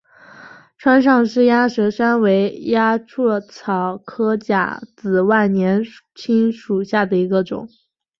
川上氏鸭舌疝为鸭跖草科假紫万年青属下的一个种。